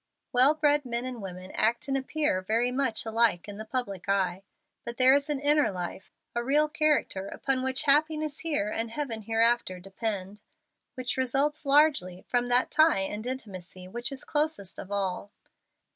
Well bred men and women act and appear very much alike in the public eye. But there is an inner life, a real character, upon which happiness here and heaven hereafter depend, which results largely from that tie and intimacy which is closest of all.